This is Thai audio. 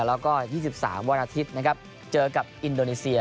แล้วก็๒๓วันอาทิตย์นะครับเจอกับอินโดนีเซีย